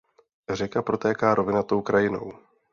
Řeka protéká rovinatou krajinou.